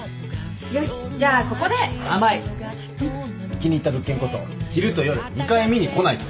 気に入った物件こそ昼と夜２回見に来ないと。